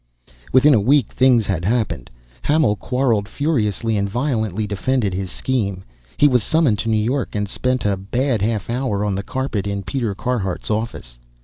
Within a week things had happened. Hamil quarrelled furiously and violently defended his scheme. He was summoned to New York and spent a bad half hour on the carpet in Peter Carhart's office.